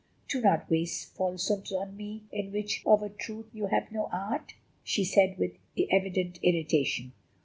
do not waste falsehoods on me, in which of a truth you have no art," she said with evident irritation.